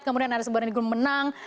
kemudian anas urbaningrum menang